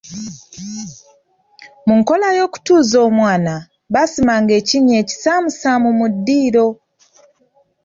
Mu nkola y'okutuuza omwana, baasimanga ekinnya ekisaamusaamu mu ddiiro.